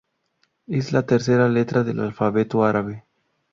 Es la tercera letra del alfabeto árabe.